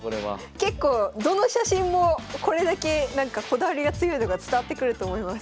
結構どの写真もこれだけなんかこだわりが強いのが伝わってくると思います。